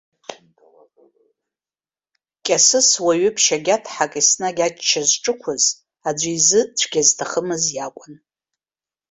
Кьасыс уаҩы ԥшьагьаҭҳак, еснагь ачча зҿықәыз, аӡәы изы цәгьа зҭахымыз иакәын.